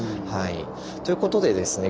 ということでですね